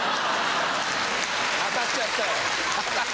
・当たっちゃったよ・